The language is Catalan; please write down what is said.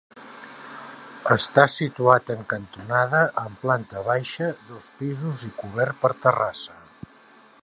Està situat en cantonada, amb planta baixa, dos pisos i cobert per terrassa.